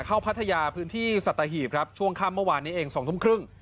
พัทยาพื้นที่สัตหีบครับช่วงค่ำเมื่อวานนี้เอง๒ทุ่มครึ่ง